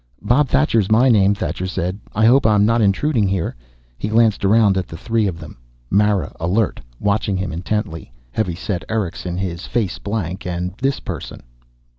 "Bob Thacher is my name," Thacher said. "I hope I'm not intruding here." He glanced around at the three of them, Mara, alert, watching him intently, heavy set Erickson, his face blank, and this person.